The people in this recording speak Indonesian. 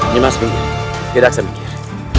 nimas bingung tidak akan mikir